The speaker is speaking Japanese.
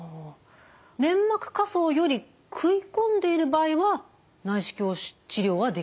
粘膜下層より食い込んでいる場合は内視鏡治療はできないということですか？